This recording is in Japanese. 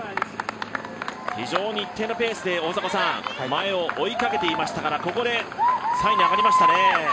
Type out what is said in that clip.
非常に、一定のペースで前を追いかけていましたからここで、３位に上がりましたね。